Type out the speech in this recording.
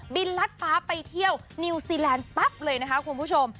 ลัดฟ้าไปเที่ยวนิวซีแลนด์ปั๊บเลยนะคะคุณผู้ชม